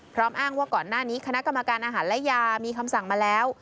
อ้างว่าก่อนหน้านี้คณะกรรมการอาหารและยามีคำสั่งมาแล้ว